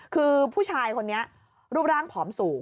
คือผู้ชายคนนี้รูปร่างผอมสูง